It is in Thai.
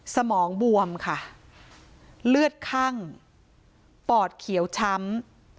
สมองบวมค่ะเลือดคั่งปอดเขียวช้ำ